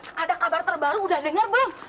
eh sini gita ada kabar terbaru udah dengar belum